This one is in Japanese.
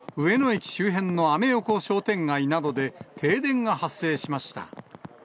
台東区などによりますと、きょう午後、上野駅周辺のアメ横商店街などで、停電が発生しました。